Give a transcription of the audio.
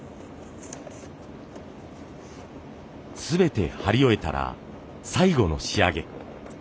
全て貼り終えたら最後の仕上げ。